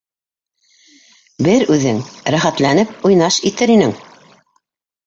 Бер үҙең... рәхәтләнеп уйнаш... итер инең.